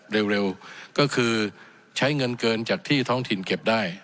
เร็วก็คือใช้เงินเกินจากที่ท้องถิ่นเก็บได้